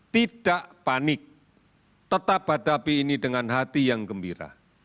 tidak panik tetap hadapi ini dengan hati yang gembira